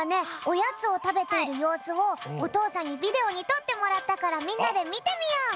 おやつをたべているようすをおとうさんにビデオにとってもらったからみんなでみてみよう。